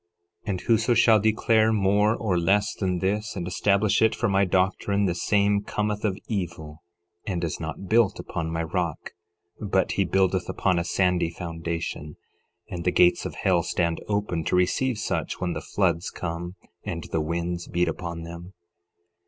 11:40 And whoso shall declare more or less than this, and establish it for my doctrine, the same cometh of evil, and is not built upon my rock; but he buildeth upon a sandy foundation, and the gates of hell stand open to receive such when the floods come and the winds beat upon them.